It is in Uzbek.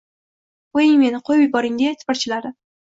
Qo'ying meni... qo'yib yuboring... —deya tipirchilardi.